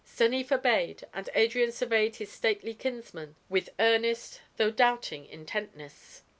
Stanief obeyed, and Adrian surveyed his stately kinsman with earnest, though doubting intentness.